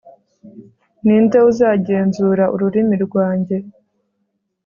ni nde uzagenzura ururimi rwanjye